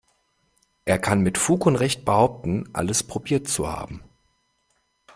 Er kann mit Fug und Recht behaupten, alles probiert zu haben.